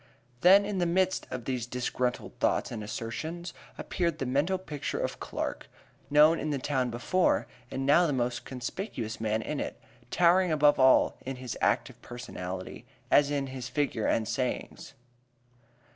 Then in the midst of these disgruntled thoughts and assertions appeared the mental picture of Clark, known in the town before, and now the most conspicuous man in it, towering above all in his active personality, as in his figure and sayings.